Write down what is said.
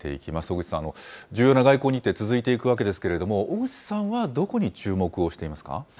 小口さん、重要な外交日程、続いていくわけですけれども、小口さんはどこに注目をしています